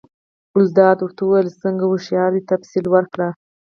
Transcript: ګلداد ورته وویل: څنګه هوښیار دی، تفصیل ورکړه؟